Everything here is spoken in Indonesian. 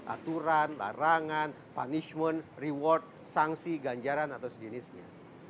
aturan larangan punishment reward sanksi ganjaran atau sejenisnya